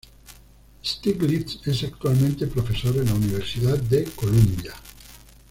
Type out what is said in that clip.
Stiglitz es actualmente Profesor en la Universidad de Columbia.